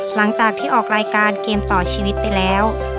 หลังจากที่ออกรายการเกมต่อชีวิตไปแล้ว